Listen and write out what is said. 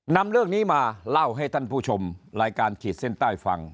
นำเรื่องนี้มาเล่าให้ท่านผู้ชมรายการขีดเส้นใต้ฟัง